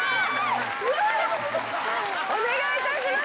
お願いいたします。